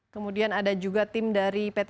kemudian ada juga tim dari pt kereta api